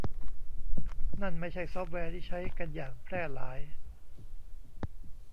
นั่นไม่ใช่ซอฟต์แวร์ที่ใช้กันอย่างแพร่หลาย